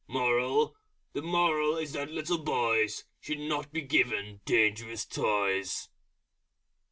MORAL The moral is that little Boys Should not be given dangerous Toys.